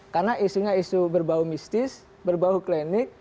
karena isunya isu berbau mistis berbau klinik